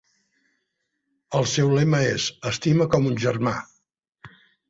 El seu lema és "Estima com un germà".